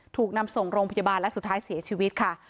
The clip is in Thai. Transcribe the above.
ถูกนำส่งโรงพยาบาลและสุดท้ายเสียชีวิตค่ะ